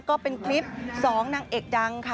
ก็เป็นคลิป๒นางเอกดังค่ะ